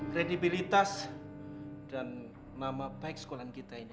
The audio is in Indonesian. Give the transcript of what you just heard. kredibilitas dan nama baik sekolahan kita ini